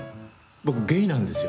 僕ゲイなんですよ